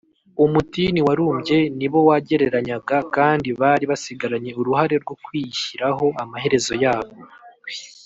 umutini warumbye ni bo wagereranyaga, kandi bari basigaranye uruhare rwo kwishyiriraho amaherezo yabo